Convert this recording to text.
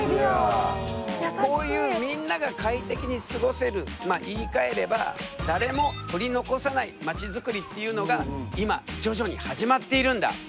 こういうみんなが快適に過ごせるまあ言いかえれば誰も取り残さない街づくりっていうのが今徐々に始まっているんだ。